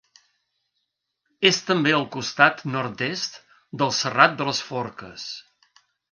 És també al costat nord-est del Serrat de les Forques.